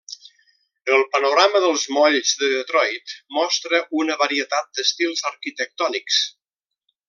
El panorama dels molls de Detroit mostra una varietat d'estils arquitectònics.